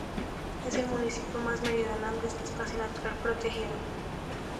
Es el municipio más meridional de este espacio natural protegido.